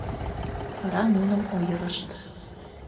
Вара нуным ойырышт.